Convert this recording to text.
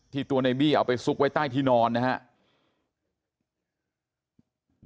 ตัวในบี้เอาไปซุกไว้ใต้ที่นอนนะครับ